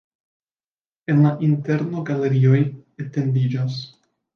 En la interno galerioj etendiĝas.